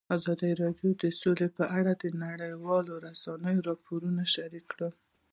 ازادي راډیو د سوله په اړه د نړیوالو رسنیو راپورونه شریک کړي.